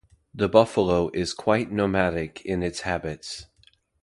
The buffalo is quite nomadic in its habits.